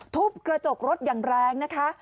ทุบกระจกรถอย่างแรงนะคะ